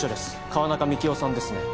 川中幹夫さんですね